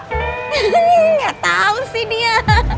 hmm gak tau sih dia